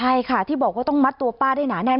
ใช่ค่ะที่บอกว่าต้องมัดตัวป้าได้หนาแน่น